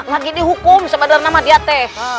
lagi dihukum sama dengan nama dia teh